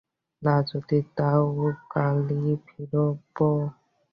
না যদি দাও কালই ফিরব।